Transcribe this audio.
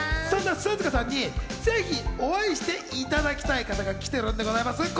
そんなＳＵＺＵＫＡさんにぜひお会いしていただきたい方が来てるんでございます。